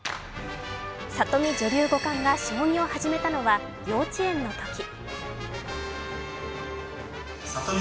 里見女流五冠が将棋を始めたのは幼稚園のとき。